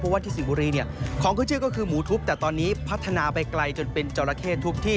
เพราะว่าที่สิงห์บุรีเนี่ยของเขาชื่อก็คือหมูทุบแต่ตอนนี้พัฒนาไปไกลจนเป็นจราเข้ทุบที่